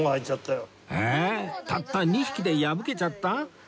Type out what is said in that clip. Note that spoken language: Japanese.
たった２匹で破けちゃった？